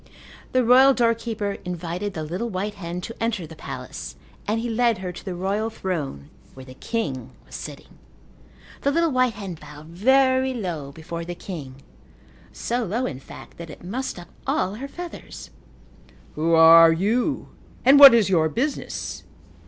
The royal doorkeeper invited the little white hen to enter the palace and he led her to the royal throne where the king was sitting. The little white hen bowed very low before the king so low, in fact, that it mussed up all her feathers. "Who are you and what is your business?"